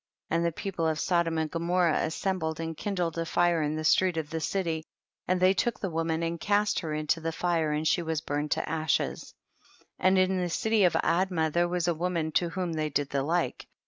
35. And the people of Sodom and Gomorrah assembled and kindled a fire in the street of the city, and they 54 THE BOOK OF JASHER. took the woman and cast her into the fire and she was burned to ashes. 36. And in the city of Admah there was a woman to whom they did the Uke.